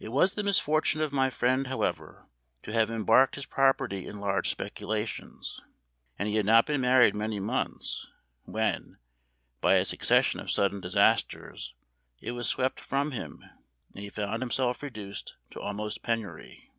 It was the misfortune of my friend, however, to have embarked his property in large speculations; and he had not been married many months, when, by a succession of sudden disasters, it was swept from him, and he found himself reduced to almost penury.